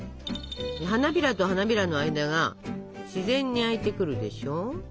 花びらと花びらの間が自然に開いてくるでしょ。